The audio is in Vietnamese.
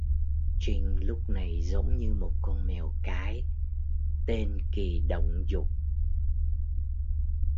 Trinh Lúc này giống như một con mèo cái tên kỳ động dục